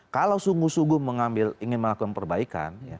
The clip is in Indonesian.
kalau sungguh sungguh mengambil ingin melakukan perbaikan